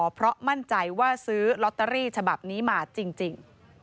เพราะมั่นใจว่าซื้อลอตเตอรี่ฉบับนี้มาจริง